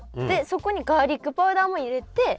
でそこにガーリックパウダーも入れて。